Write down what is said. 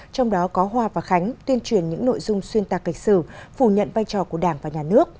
trong đó có hoa và khánh tuyên truyền những nội dung xuyên tạc lịch sử phủ nhận vai trò của đảng và nhà nước